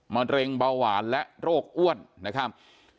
มะเร็งเบาหวานและโรคอ้วนนะครับ